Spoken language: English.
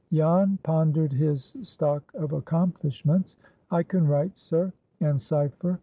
Jan pondered his stock of accomplishments. "I can write, sir, and cipher.